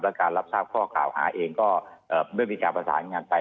และการรับทราบข้อกล่าวหาเองก็เมื่อมีการประสานงานไป